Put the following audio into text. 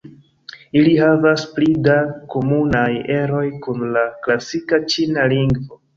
Ili havas pli da komunaj eroj kun la klasika ĉina lingvo.